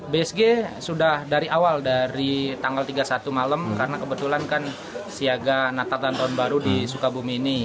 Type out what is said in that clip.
bsg sudah dari awal dari tanggal tiga puluh satu malam karena kebetulan kan siaga natal dan tahun baru di sukabumi ini